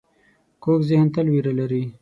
کوږ ذهن تل وېره لري